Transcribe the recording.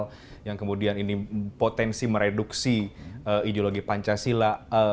ideologi transnasional yang kemudian ini potensi mereduksi ideologi pancasila